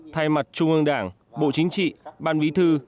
thay mặt trung ương đảng bộ chính trị ban bí thư